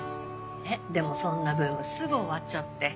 ねっでもそんなブームすぐ終わっちゃって。